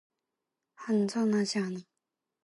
안전하지 않아.